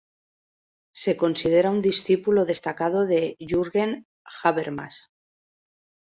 Se considera un discípulo destacado de Jürgen Habermas.